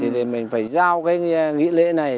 thì mình phải giao cái nghi lễ này